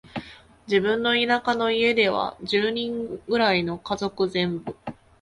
自分の田舎の家では、十人くらいの家族全部、